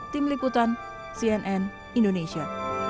tim liputan cnn indonesia